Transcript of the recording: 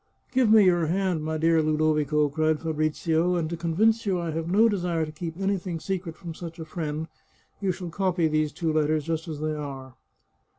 " Give me your hand, my dear Ludovico," cried Fa brizio ;" and to convince you I have no desire to keep any thing secret from such a friend, you shall copy these two letters just as they are."